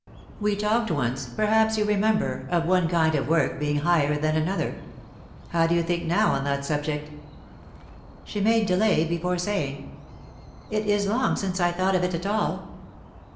We talked once, perhaps you remember, of one kind of work being 'higher' than another. How do you think now on that subject?" She made delay before saying: "It is long since I thought of it at all.